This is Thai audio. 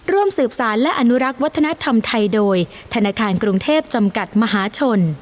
ร่วมสืบสารและอนุรักษ์วัฒนธรรมไทยโดยธนาคารกรุงเทพจำกัดมหาชน